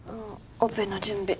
オペの準備。